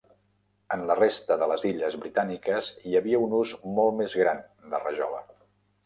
En la resta de les illes britàniques hi havia un ús molt més gran de rajola.